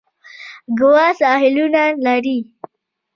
ګوا ساحلونه لري.